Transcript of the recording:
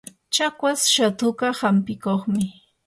chakwas shatuka hampikuqmi.